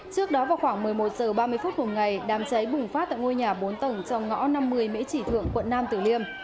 trước đó vào khoảng một mươi một h ba mươi phút cùng ngày đám cháy bùng phát tại ngôi nhà bốn tầng trong ngõ năm mươi mỹ chỉ thượng quận nam tử liêm